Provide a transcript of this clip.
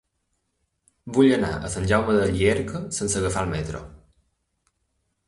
Vull anar a Sant Jaume de Llierca sense agafar el metro.